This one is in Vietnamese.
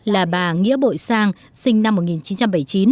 là bà nghĩa bội sang sinh năm một nghìn chín trăm bảy mươi chín